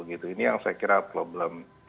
ini yang saya kira problem